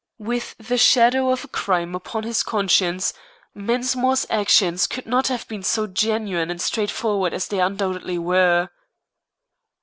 With the shadow of a crime upon his conscience Mensmore's actions could not have been so genuine and straightforward as they undoubtedly were.